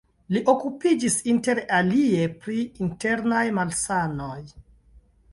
Li okupiĝis inter alie pri la internaj malsanoj.